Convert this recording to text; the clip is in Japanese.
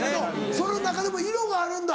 その中でも色があるんだ＃